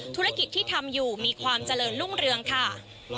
ธุรกิจที่ทำอยู่มีความเจริญรุ่งเรืองค่ะ